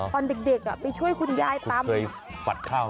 ตอนเด็กไปช่วยคุณย้ายตำ